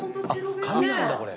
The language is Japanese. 「紙なんだこれ」